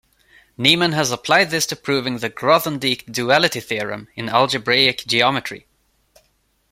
Neeman has applied this to proving the Grothendieck duality theorem in algebraic geometry.